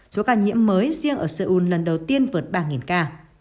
số ca nhiễm mới riêng ở seoul lần đầu tiên vượt ba ca